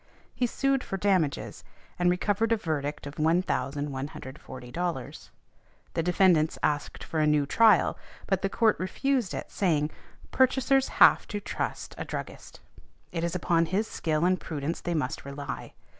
He sued for damages, and recovered a verdict for $1,140. The defendants asked for a new trial, but the Court refused it saying, "Purchasers have to trust to a druggist. It is upon his skill and prudence they must rely.